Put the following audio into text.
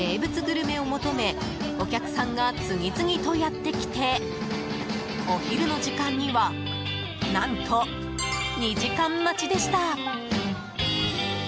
名物グルメを求めお客さんが次々とやってきてお昼の時間には何と２時間待ちでした。